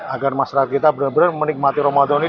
agar masyarakat kita benar benar menikmati ramadan ini